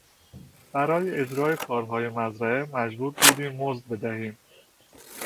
برای اجرای کارهای مزرعه مجبور بودیم مزد بدهیم.